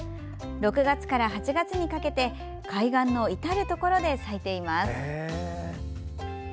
６月から８月にかけて海岸の至るところで咲いています。